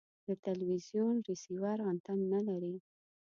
د تلوزیون ریسیور انتن نلري